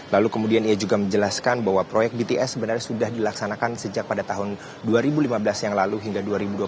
lalu kemudian ia juga menjelaskan bahwa proyek bts sebenarnya sudah dilaksanakan sejak pada tahun dua ribu lima belas yang lalu hingga dua ribu dua puluh